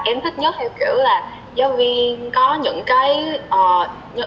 em thích nhất là giáo viên có những công cụ